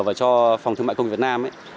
và cho phòng thương mại công nghiệp việt nam